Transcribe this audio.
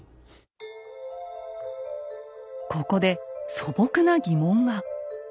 ここで素朴な疑問が。